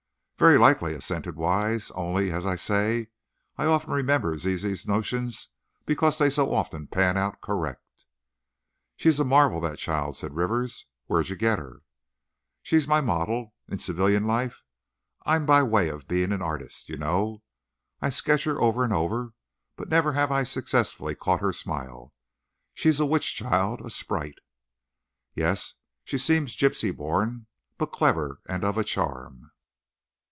"Very likely," assented Wise. "Only, as I say, I often remember Zizi's notions because they so often pan out correct." "She's a marvel, that child," said Rivers; "where'd you get her?" "She's my model. In civilian life, I'm by way of being an artist, you know. I sketch her over and over, but never have I successfully caught her smile. She's a witch child, a sprite." "Yes; she seems gypsy born. But clever! And of a charm."